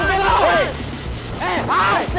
ibu terluar jauh ini